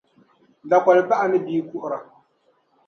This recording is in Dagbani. Dakoli baɣa ni bia kuhira